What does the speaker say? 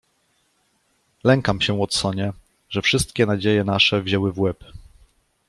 "Lękam się, Watsonie, że wszystkie nadzieje nasze wzięły w łeb."